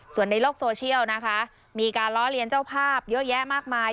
ส่วนในโลกโซเชียลนะคะมีการล้อเลียนเจ้าภาพเยอะแยะมากมาย